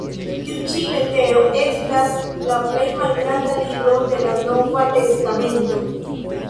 Tiu ĉi letero estas la plej malgranda "libro" de la Nova testamento.